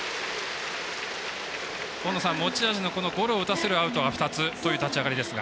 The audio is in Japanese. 大野さん、持ち味のゴロを打たせるアウトが２つという立ち上がりですが。